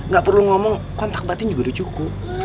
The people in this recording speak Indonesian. gak perlu ngomong kontak batin juga udah cukup